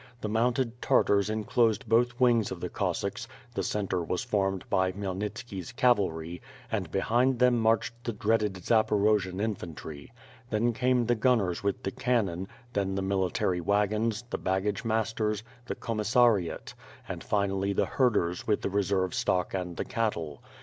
The mounted Tartars enclosed both wings of the Cossacks, the center was formed by Khymelnitski's cav alry, and l)ehind them marched the dreaded Zaporojian in fantry. Then came the gunners with the cannon; then the military wagons, the baggage masters, the commissariat; and finally the herders with the resers'C stock and the cattle.